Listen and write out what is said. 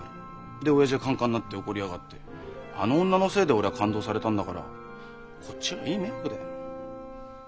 で親父がカンカンになって怒りやがってあの女のせいで俺は勘当されたんだからこっちはいい迷惑だよ。